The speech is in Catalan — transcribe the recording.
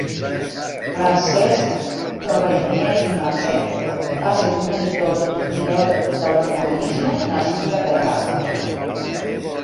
Francesc Torredemer i Marcet va ser un editor i pilot d'automobilisme nascut a Terrassa.